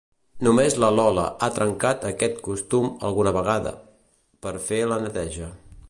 Només la Lola ha trencat aquest costum alguna vegada, per fer la neteja.